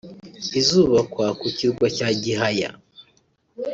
izubakwa ku kirwa cya Gihaya